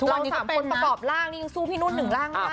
เราสามคนประกอบร่างนี้สู้พี่นุ่นหนึ่งร่างได้เลยนะ